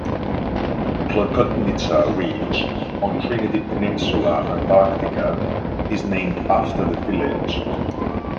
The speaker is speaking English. Klokotnitsa Ridge on Trinity Peninsula, Antarctica is named after the village.